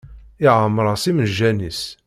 Iɛemmeṛ-as imejjan-is.